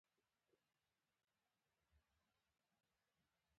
ډرامه د کورنۍ ستونزې بیانوي